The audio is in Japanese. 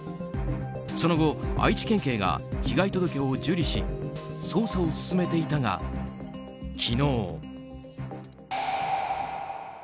その後愛知県警が被害届を受理し捜査を進めていたが昨日。